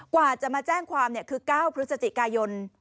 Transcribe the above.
กว่าจะมาแจ้งความคือ๙พฤศจิกายน